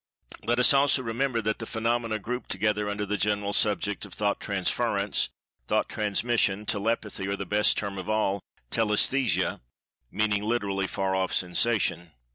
Let us also remember the phenomena grouped together under the general subject of "Thought transference," "Thought transmission," "Telepathy," or (the best term of all) "Telesthesia" (meaning, literally "far off sensation").